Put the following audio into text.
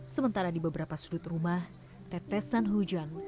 sementara di beberapa sudut rumah tetesan hujan